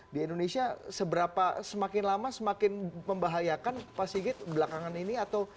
di indonesia seberapa semakin lama semakin membahayakan pak sigit belakangan ini atau